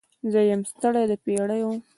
زه یم ستړې د پیړیو